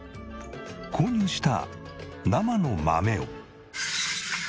購入した生の豆を。